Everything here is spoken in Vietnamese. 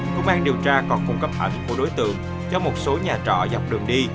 công an điều tra còn cung cấp ảnh của đối tượng cho một số nhà trọ dọc đường đi